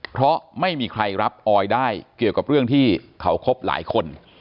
เพราะไม่มีใครรับออยได้เกี่ยวกับเรื่องที่เขาคบหลายคน